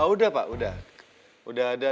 udah pak udah udah ada